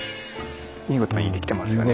見事にできてますよね。